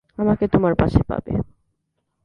আমাকে তোমার পাশে পাবে।